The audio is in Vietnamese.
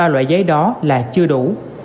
ba loại giấy đó là chưa đủ